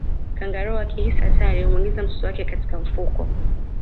kangaroo akihisi hatari humuingiza mtoto wake katika mfuko